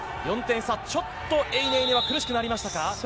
ちょっとエイ・ネイネイは苦しくなりましたか？